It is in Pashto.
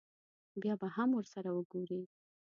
بیا به هم ورسره وګوري.